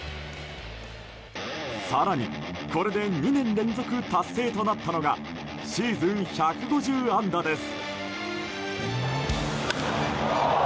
更にこれで２年連続達成となったのがシーズン１５０安打です。